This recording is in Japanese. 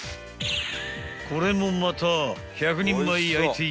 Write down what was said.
［これもまた］